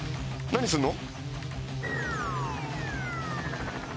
何すんの？